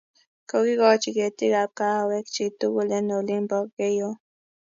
Kogikochi Ketik ab kahawek chiiy tugul eng' olin bo Keiyo